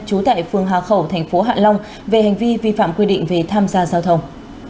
trú tại phường hà khẩu thành phố hạ long về hành vi vi phạm quy định về tham gia giao thông